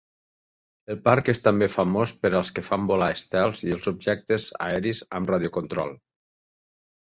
El parc és també famós per als que fan volar estels i els objectes aeris amb radio control